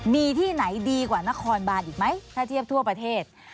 มีที่ไหนดีกว่านครบานอีกไหมถ้าเทียบทั่วประเทศ